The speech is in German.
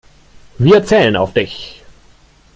Wir zählen auf dich.